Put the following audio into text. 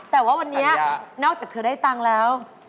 แต่ว่าวันนี้นอกจากเธอได้ตังค์แล้ว